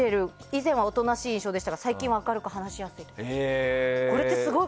以前はおとなしい印象でしたが今は明るく話しやすい印象です。